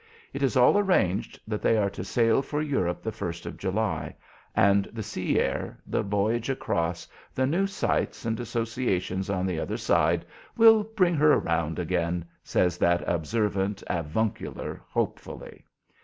It is all arranged that they are to sail for Europe the 1st of July, and the sea air, the voyage across, the new sights and associations on the other side, will "bring her round again," says that observant "avuncular" hopefully.